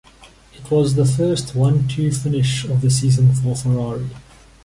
It was the first one-two finish of the season for Ferrari.